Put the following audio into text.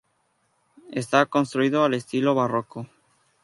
Está construido al estilo barroco.